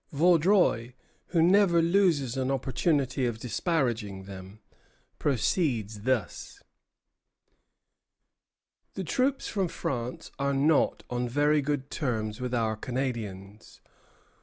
Vaudreuil, who never loses an opportunity of disparaging them, proceeds thus: "The troops from France are not on very good terms with our Canadians.